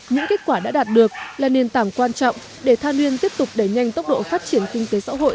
những kết quả đã đạt được là nền tảng quan trọng để than uyên tiếp tục đẩy nhanh tốc độ phát triển kinh tế xã hội